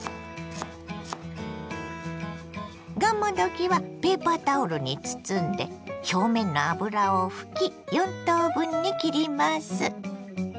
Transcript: がんもどきはペーパータオルに包んで表面の油を拭き４等分に切ります。